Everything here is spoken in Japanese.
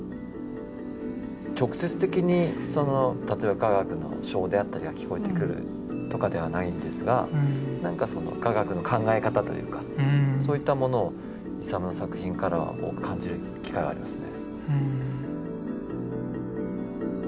直接的に例えば雅楽の笙であったりが聞こえてくるとかではないんですが何かその雅楽の考え方というかそういったものをイサムの作品からは感じる機会がありますね。